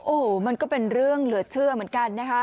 โอ้โหมันก็เป็นเรื่องเหลือเชื่อเหมือนกันนะคะ